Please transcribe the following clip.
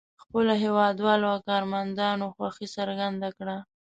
خپلو هېوادوالو او کارمندانو خوښي څرګنده کړه.